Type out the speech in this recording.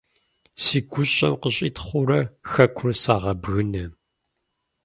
Си гущӏэм къыщӏитхъыурэ хэкур сагъэбгынэ.